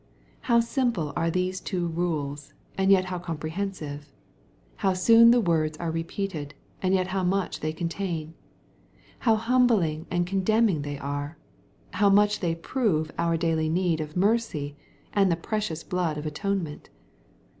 How simple are these two rules, and yet how compre* hensive I How soon the words are repeated, and yet ho\c much they contain I How humbling and condemn^ ing they are 1 How much they prove our daily need of mercy and the precious blood of atonement